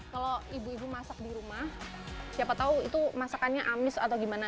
kalau ibu ibu masak di rumah siapa tahu itu masakannya amis atau gimana